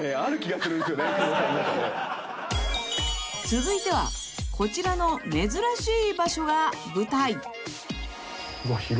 ［続いてはこちらの珍しい場所が舞台］